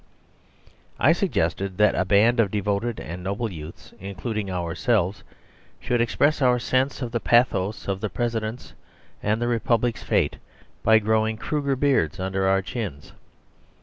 I suggested that a band of devoted and noble youths, including ourselves, should express our sense of the pathos of the President's and the Republic's fate by growing Kruger beards under our chins.